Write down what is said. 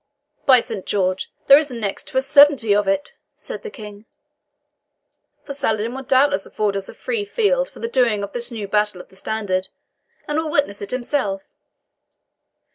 "By Saint George, but there is next to a certainty of it," said the King; "for Saladin will doubtless afford us a free field for the doing of this new battle of the Standard, and will witness it himself.